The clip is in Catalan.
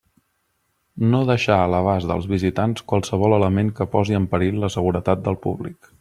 No deixar a l'abast dels visitants qualsevol element que posi en perill la seguretat del públic.